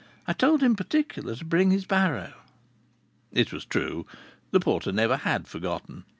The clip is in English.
I told him particular to bring his barrow." It was true the porter never had forgotten!